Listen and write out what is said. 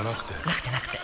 なくてなくて